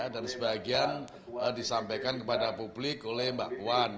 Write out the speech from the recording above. dan sebagian disampaikan kepada publik oleh mbak wan